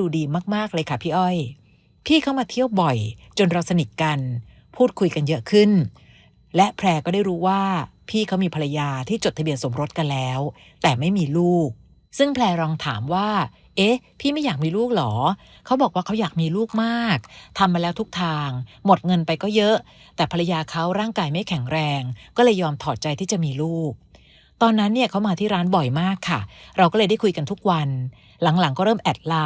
ดูดีมากเลยค่ะพี่อ้อยพี่เขามาเที่ยวบ่อยจนเราสนิทกันพูดคุยกันเยอะขึ้นและแพร่ก็ได้รู้ว่าพี่เขามีภรรยาที่จดทะเบียนสมรสกันแล้วแต่ไม่มีลูกซึ่งแพร่ลองถามว่าเอ๊ะพี่ไม่อยากมีลูกหรอเขาบอกว่าเขาอยากมีลูกมากทำมาแล้วทุกทางหมดเงินไปก็เยอะแต่ภรรยาเขาร่างกายไม่แข็งแรงก็เลยยอมถอดใจที่จะม